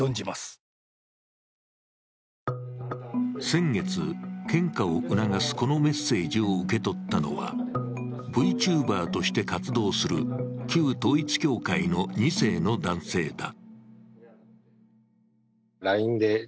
先月、献花を促すこのメッセージを受け取ったのは、ＶＴｕｂｅｒとして活動する旧統一教会の２世の男性だ。